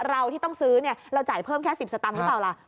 เราที่ต้องซื้อเราจ่ายเพิ่มแค่๑๐สตังค์หรือเปล่าล่ะ